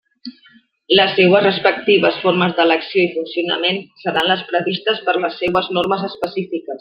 Les seues respectives formes d'elecció i funcionament seran les previstes per les seues normes específiques.